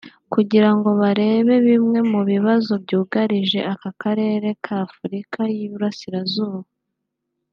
kugirango barebe bimwe mu bibazo byugarije aka karere ka Afurika y’Iburasirazuba